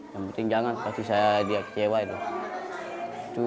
yang penting jangan kasih saya dia kecewa itu